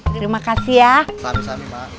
terima kasih ya